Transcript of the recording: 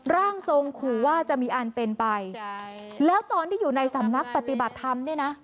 ร่างทรงขู่ว่าจะมีอันเป็นไปแล้วตอนที่อยู่ในสำนักปฏิบัติธรรมเนี่ยนะ